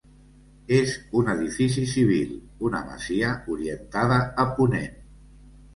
És un edifici Civil, una masia orientada a ponent.